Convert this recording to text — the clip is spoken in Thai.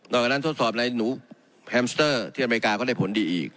หลังจากนั้นทดสอบในหนูแฮมสเตอร์ที่อเมริกาก็ได้ผลดีอีก